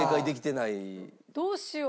どうしよう。